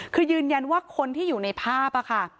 คือยืนยันว่าคนที่อยู่ในภาพค่ะ